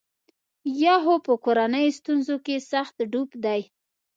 یا خو په کورنیو ستونزو کې سخت ډوب دی.